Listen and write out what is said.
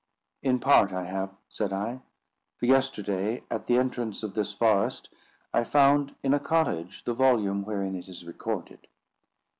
"In part, I have," said I; "for yesterday, at the entrance of this forest, I found in a cottage the volume wherein it is recorded."